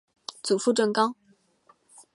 祖父郑刚。